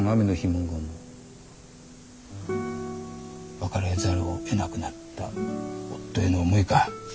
別れざるをえなくなった夫への思いか。